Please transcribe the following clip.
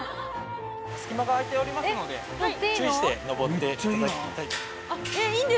隙間が空いておりますので注意して上っていただきたい。